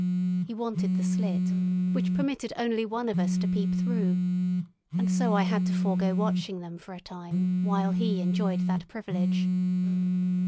He wanted the slit, which permitted only one of us to peep through; and so I had to forego watching them for a time while he enjoyed that privilege.